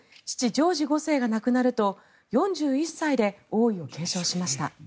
ジョージ５世が亡くなると４１歳で王位を継承しました。